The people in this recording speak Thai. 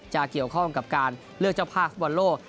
จะเกี่ยวข้องกับการเลือกเจ้าภาพฟุตบอลโลก